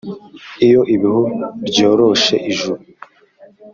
iyo ibihu ryoroshe ijuru